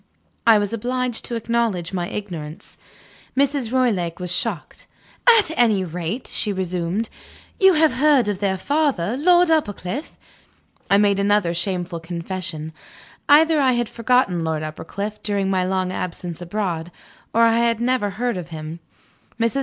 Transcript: I was obliged to acknowledge my ignorance. Mrs. Roylake was shocked. "At any rate," she resumed, "you have heard of their father, Lord Uppercliff?" I made another shameful confession. Either I had forgotten Lord Uppercliff, during my long absence abroad, or I had never heard of him. Mrs.